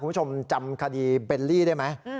คุณผู้ชมจำคดีเบลลี่ได้ไหม